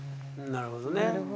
なるほど。